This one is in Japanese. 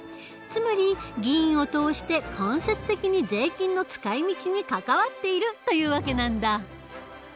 つまり議員を通して間接的に税金の使い道に関わっているという訳なんだ。